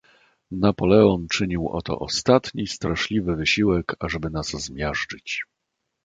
"Napoleon czynił oto ostatni, straszliwy wysiłek, ażeby nas zmiażdżyć."